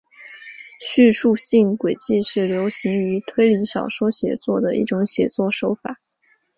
叙述性诡计是流行于推理小说写作的一种写作手法。